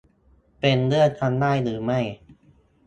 เป็นเรื่องทำได้หรือไม่